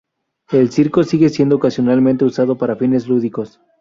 El Circo sigue siendo ocasionalmente usado para fines lúdicos.